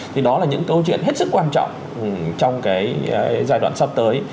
thì đó là những câu chuyện hết sức quan trọng trong cái giai đoạn sắp tới